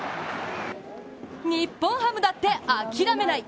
日本ハムだって諦めない。